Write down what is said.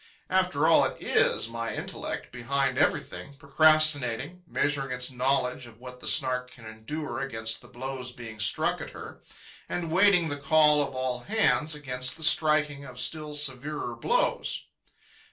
After all, it is my intellect, behind everything, procrastinating, measuring its knowledge of what the Snark can endure against the blows being struck at her, and waiting the call of all hands against the striking of still severer blows.